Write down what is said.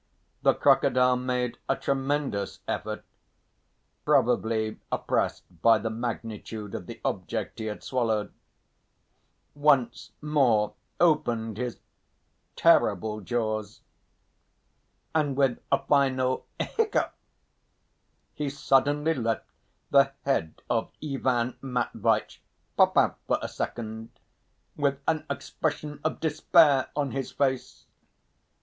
The crocodile made a tremendous effort, probably oppressed by the magnitude of the object he had swallowed, once more opened his terrible jaws, and with a final hiccup he suddenly let the head of Ivan Matveitch pop out for a second, with an expression of despair on his face.